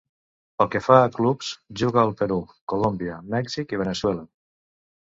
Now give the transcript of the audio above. Pel que fa a clubs, jugà al Perú, Colòmbia, Mèxic i Veneçuela.